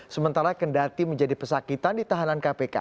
sementara kendati menjadi pesakitan di tahanan kpk